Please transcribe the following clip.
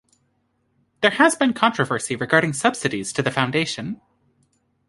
There has been controversy regarding subsidies to the foundation.